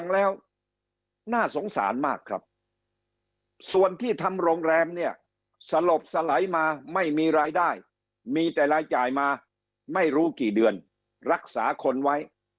ลักษาคนไว้